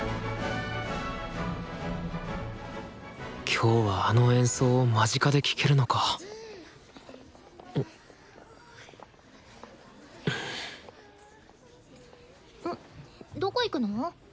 今日はあの演奏を間近で聴けるのかどこ行くの？